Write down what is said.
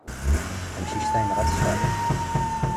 Tamcict-a yenɣa-tt cceṛ.